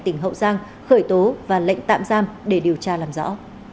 tỉnh hậu giang khởi tố và lệnh tạm giam để điều tra làm rõ